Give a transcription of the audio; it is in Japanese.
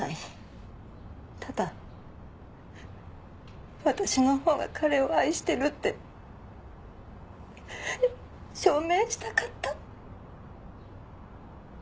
ただ私のほうが彼を愛してるって証明したかった。